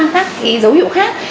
các cái dấu hiệu khác